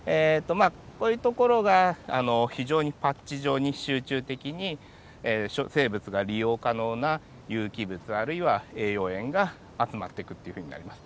まあこういう所が非常にパッチ状に集中的に生物が利用可能な有機物あるいは栄養源が集まってくっていうふうになります。